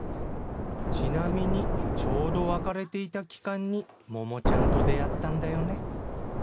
ちなみにちょうど別れていた期間に桃ちゃんと出会ったんだよね